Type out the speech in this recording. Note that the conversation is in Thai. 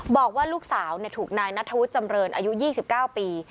บอกว่าลูกสาวถูกนายนัทธวุฒิจำเรินอายุ๒๙ปี